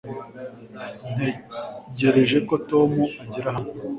ntegereje ko tom agera hano